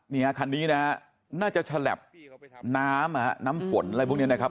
นี่ฮะคันนี้นะฮะน่าจะฉลับน้ำน้ำฝนอะไรพวกนี้นะครับ